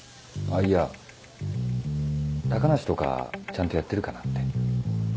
あっいや高梨とかちゃんとやってるかなって。